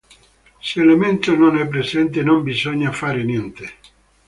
Se l'elemento non è presente, non bisogna fare niente.